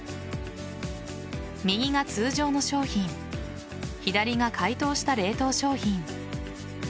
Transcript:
右が通常の商品左が解凍した冷凍商品。